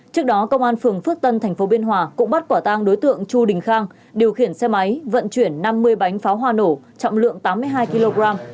trước đó công an phường phước tân tp biên hòa cũng bắt quả tang đối tượng chu đình khang điều khiển xe máy vận chuyển năm mươi bánh pháo hoa nổ trọng lượng tám mươi hai kg